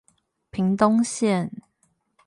屏東線